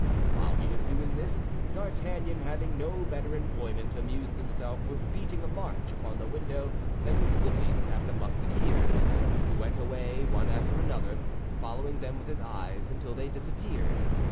While he was doing this, D'Artagnan, having no better employment, amused himself with beating a march upon the window and with looking at the Musketeers, who went away, one after another, following them with his eyes until they disappeared.